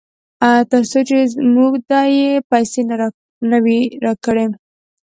ترڅو چې موږ ته یې پیسې نه وي راکړې.